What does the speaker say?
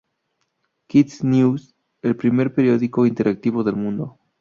Kids News, el primer periódico interactivo del mundo.